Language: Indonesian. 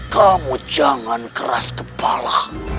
kamu jangan keras kepala